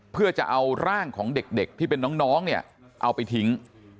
เพื่อจะเอาร่างของเด็กที่เป็นน้องเนี่ยเอาไปทิ้ง